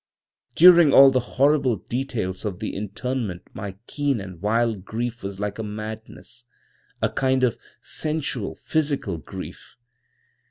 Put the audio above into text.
"During all the horrible details of the interment my keen and wild grief was like a madness, a kind of sensual, physical grief.